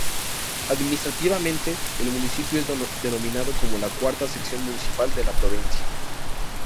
Administrativamente, el municipio es denominando como la "cuarta sección municipal" de la provincia.